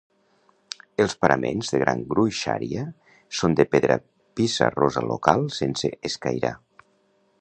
Els paraments de gran gruixària són de pedra pissarrosa local sense escairar.